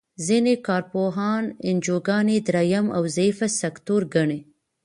ځینې کار پوهان انجوګانې دریم او ضعیفه سکتور ګڼي.